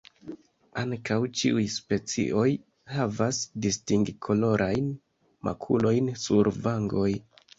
Ankaŭ ĉiuj specioj havas distingkolorajn makulojn sur vangoj.